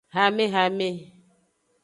Hamehame.